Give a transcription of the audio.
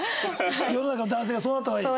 世の中の男性がそうなった方がいい？